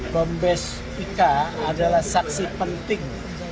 kombes ika adalah saksi penting